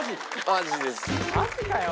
マジかよ